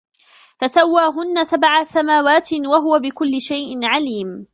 فَسَوَّاهُنَّ سَبْعَ سَمَاوَاتٍ ۚ وَهُوَ بِكُلِّ شَيْءٍ عَلِيمٌ